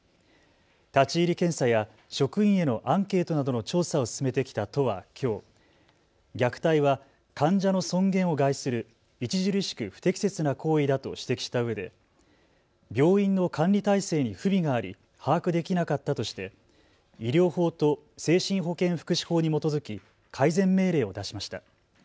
立ち入り検査や職員へのアンケートなどの調査を進めてきた都はきょう、虐待は患者の尊厳を害する著しく不適切な行為だと指摘したうえで病院の管理体制に不備があり把握できなかったとして医療法と精神保健福祉法に基づき改善命令を出しました。